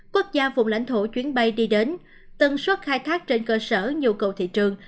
quốc gia vùng lãnh thổ chuyến bay đi đến tân xuất khai thác trên cơ sở nhu cầu thị trường